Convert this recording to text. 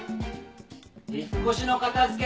引っ越しの片付け